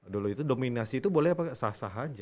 dulu itu dominasi itu boleh pakai sah sah aja